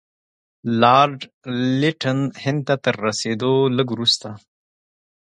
لارډ لیټن هند ته تر رسېدلو لږ وروسته.